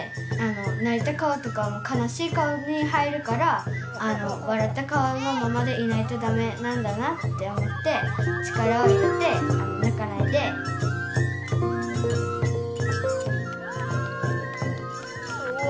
泣いた顔とかは悲しい顔に入るから笑った顔のままでいないとダメなんだなって思って力を入れて泣かないでうお！